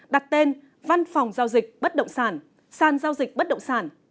đặt tên văn phòng giao dịch bất động sản sàn giao dịch bất động sản